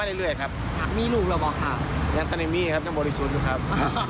ทางเนมี่ครับทางบริษุทรครับ